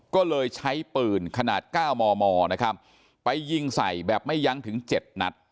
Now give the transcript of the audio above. ก็เลยใช้ปืนขนาด๙มมนะครับไปยิงใส่แบบไม่ยั้งถึง๗นัด